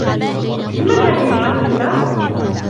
لمن هذه الحقيبة ؟